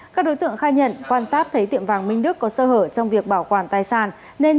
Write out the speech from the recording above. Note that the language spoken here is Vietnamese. các đối tượng khai nhận quan sát thấy tiệm vàng minh đức có sơ hở trong việc bảo quản tài sản nên